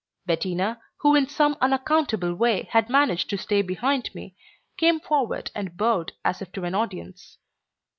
Bettina, who in some unaccountable way had managed to stay behind me, came forward and bowed as if to an audience.